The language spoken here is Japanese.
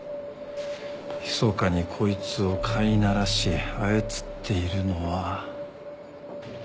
密かにこいつを飼いならし操っているのは。